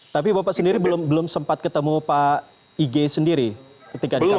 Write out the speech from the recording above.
tapi bapak sendiri belum sempat ketemu pak ig sendiri ketika di kpk